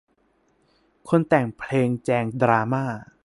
คนแต่งเพลงแจงดราม่า